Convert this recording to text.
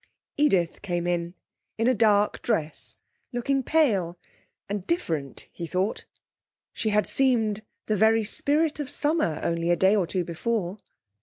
Edith came in, in a dark dress, looking pale, and different, he thought. She had seemed the very spirit of summer only a day or two before.